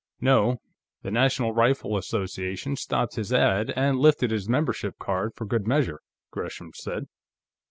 "No; the National Rifle Association stopped his ad, and lifted his membership card for good measure," Gresham said.